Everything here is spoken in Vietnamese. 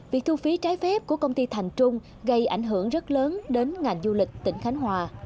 việc thu phí trái phép của công ty thành trung gây ảnh hưởng rất lớn đến ngành du lịch tỉnh khánh hòa